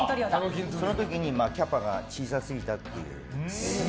その時にキャパが小さすぎたという。